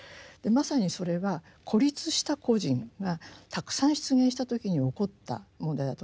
まさにそれは孤立した個人がたくさん出現した時に起こった問題だと思います。